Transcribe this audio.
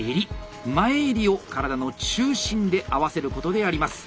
前襟を体の中心で合わせることであります。